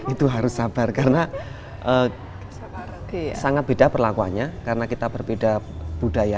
itu harus sabar karena sangat beda perlakuannya karena kita berbeda budaya